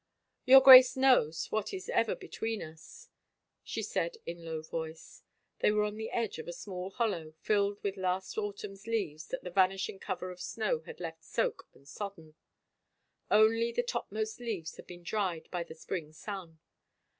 " Your Grace knows what is ever between us," she said in low voice. They were on the edge of a small hollow filled with last autumn's leaves that the vanishing cover of snow had left soaked and sodden. Only the topmost leaves had been dried by the spring sun.